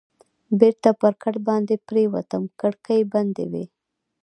بېرته پر کټ باندې پرېوتم، کړکۍ بندې وې.